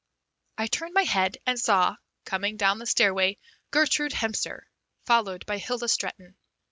I turned my head and saw, coming down the stairway, Gertrude Hemster followed by Hilda Stretton.